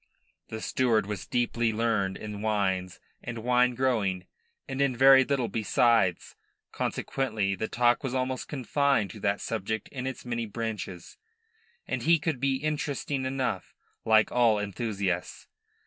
The steward was deeply learned in wines and wine growing and in very little besides; consequently the talk was almost confined to that subject in its many branches, and he could be interesting enough, like all enthusiasts.